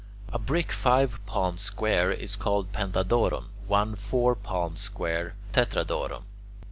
A brick five palms square is called "pentadoron"; one four palms square "tetradoron."